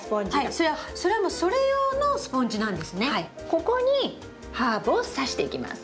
ここにハーブをさしていきます。